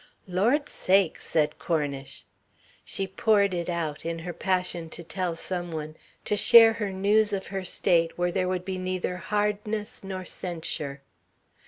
"Lord sakes!" said Cornish. She poured it out, in her passion to tell some one, to share her news of her state where there would be neither hardness nor censure.